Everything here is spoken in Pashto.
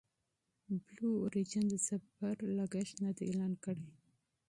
بلو اوریجن د سفر لګښت نه دی اعلان کړی.